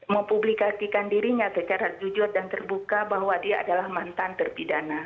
mempublikasikan dirinya secara jujur dan terbuka bahwa dia adalah mantan terpidana